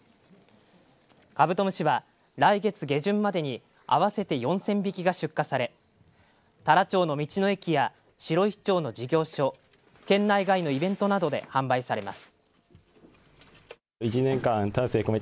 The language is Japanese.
カブトムシは来月下旬までに合わせて４０００匹が出荷され太良町の道の駅や白石町の事業所県内外のイベントなどで販売されます。